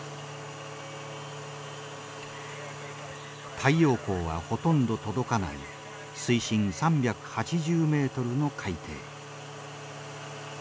太陽光はほとんど届かない水深３８０ｍの海底。